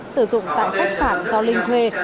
sử dụng tại khách sạn do linh thuê